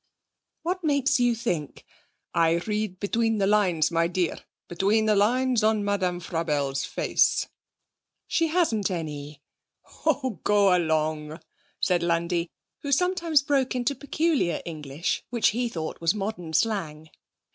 'What makes you think....' 'I read between the lines, my dear between the lines on Madame Frabelle's face.' 'She hasn't any.' 'Oh, go along,' said Landi, who sometimes broke into peculiar English which he thought was modern slang.